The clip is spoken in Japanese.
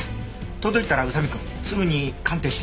届いたら宇佐見くんすぐに鑑定して。